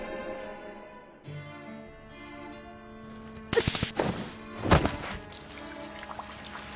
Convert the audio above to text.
うっ！